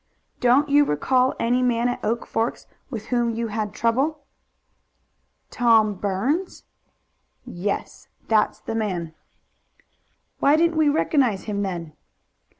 "Don't you recall any man at Oak Forks with whom you had trouble?" "Tom Burns?" "Yes. That's the man." "Why didn't we recognize him then?"